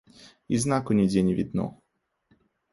І знаку нідзе не відно.